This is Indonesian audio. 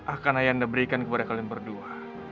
akan ayah anda berikan kepada kalian berdua